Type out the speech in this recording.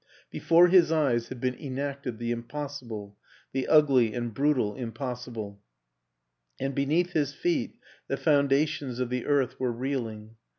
Before his 108 WILLIAM AN ENGLISHMAN 109 eyes had been enacted the impossible the ugly and brutal impossible and beneath his feet the foundations of the earth were reeling.